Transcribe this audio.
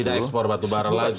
tidak ekspor batu bara lagi